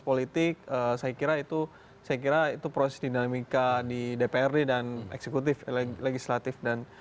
politik saya kira itu saya kira itu proses dinamika di dprd dan eksekutif legislatif dan